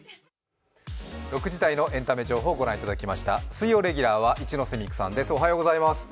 水曜レギュラーは一ノ瀬美空さんです。